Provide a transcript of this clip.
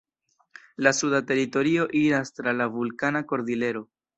La suda teritorio iras tra la Vulkana Kordilero.